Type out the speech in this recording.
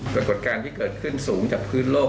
ปรากฏการณ์ที่เกิดขึ้นสูงจากพื้นโลก